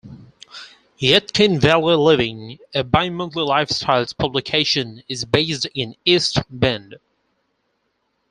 Yadkin Valley Living, a bimonthy lifestyles publication, is based in East Bend.